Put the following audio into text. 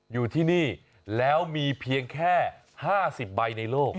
อยู่ที่นี่แล้วมีเพียงแค่๕๐ใบในโลก